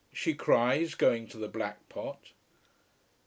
she cries, going to the black pot.